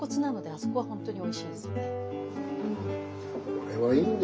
これはいいね。